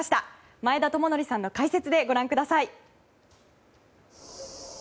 前田智徳さんの解説でご覧ください。